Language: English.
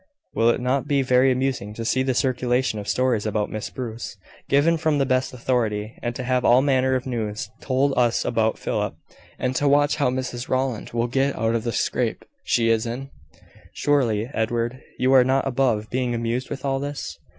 Will it not be very amusing to see the circulation of stories about Miss Bruce, given `from the best authority,' and to have all manner of news told us about Philip; and to watch how Mrs Rowland will get out of the scrape she is in? Surely, Edward, you are not above being amused with all this?"